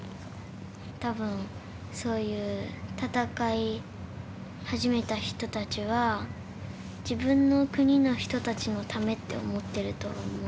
多分そういう戦い始めた人たちは「自分の国の人たちのため」って思ってると思う。